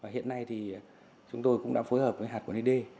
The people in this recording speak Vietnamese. hiện nay thì chúng tôi cũng đã phối hợp với hạt quản lý đê